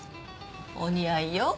お似合いよ。